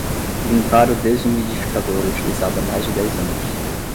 Limpar o desumidificador utilizado há mais de dez anos